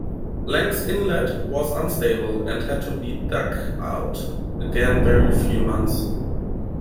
Lang's Inlet was unstable, and had to be dug out again every few months.